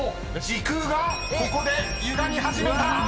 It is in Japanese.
［時空がここでゆがみ始めた！］